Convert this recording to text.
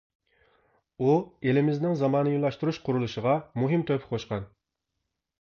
ئۇ ئېلىمىزنىڭ زامانىۋىلاشتۇرۇش قۇرۇلۇشىغا مۇھىم تۆھپە قوشقان.